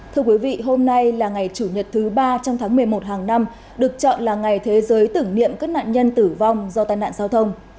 thưa quý vị hôm nay là ngày chủ nhật thứ ba trong tháng một mươi một hàng năm được chọn là ngày thế giới tưởng niệm các nạn nhân tử vong do tai nạn giao thông